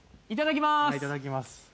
いただきます。